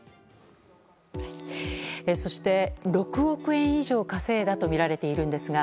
そして、６億円以上稼いだとみられているんですが。